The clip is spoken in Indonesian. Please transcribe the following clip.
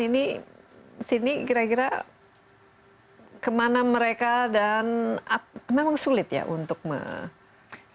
ini sidney kira kira kemana mereka dan memang sulit ya untuk mengejar mereka